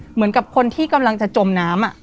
เหมือนกับคนที่กำลังจะจมน้ำ